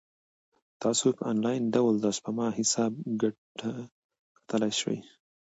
تاسو په انلاین ډول د سپما حساب ګټه کتلای شئ.